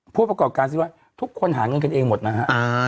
ผู้ประกอบการซื้อไว้ทุกคนหาเงินกันเองหมดนะฮะ